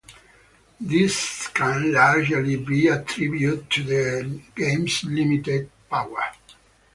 This can largely be attributed to the game's limited power.